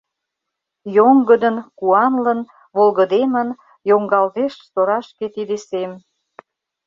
Йоҥгыдын, куанлын, волгыдемын Йоҥгалтеш торашке тиде сем.